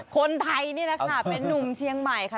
คนไทยนี่แหละค่ะเป็นนุ่มเชียงใหม่ค่ะ